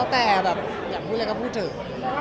วันนี้ก็จะต้องมีการพิมพ์ก่อน